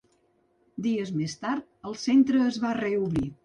Dies més tard el centre es va reobrir.